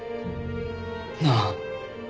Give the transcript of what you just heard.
なあ。